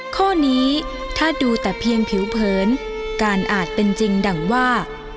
ข้อนี้ถ้าดูแต่เพียงผิวเผินการอาจเป็นจริงดังว่า